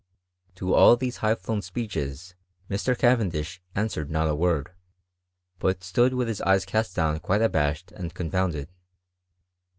To all these high flown speeches Mr Cavendish answered not a word, but stood with hi« eyes cast down qnite abashed and confounded.